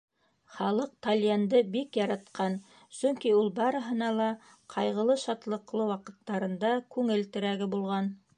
Халыҡ Талйәнде бик яратҡан, сөнки ул барыһына ла ҡайғылы-шатлыҡлы ваҡыттарында күңел терәге булған.